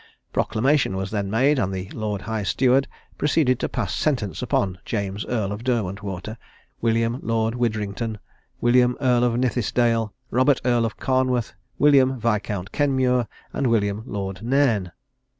Proclamation was then made, and the Lord High Steward proceeded to pass sentence upon James Earl of Derwentwater, William Lord Widdrington, William Earl of Nithisdale, Robert Earl of Carnwarth, William Viscount Kenmure, and William Lord Nairn.